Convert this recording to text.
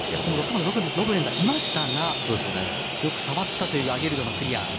６番、ロヴレンがいましたがよく触ったというアゲルドのクリア。